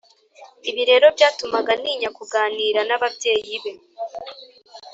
ibi rero byatumaga atinya kuganira n’ababyeyi be